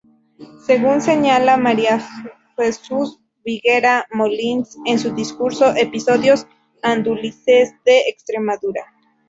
Según señala María Jesús Viguera Molins en su discurso "Episodios andalusíes de Extremadura.